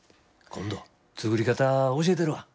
今度作り方教えたるわ。